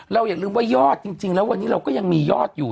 อย่าลืมว่ายอดจริงแล้ววันนี้เราก็ยังมียอดอยู่